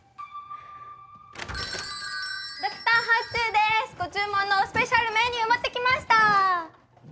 ・Ｄｒハオツーです・ご注文のスペシャルメニュー持って来ました！